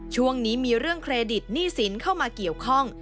ช่วงนี้มีเรื่องเครดิตหนี้สินเข้ามาเกี่ยวข้อง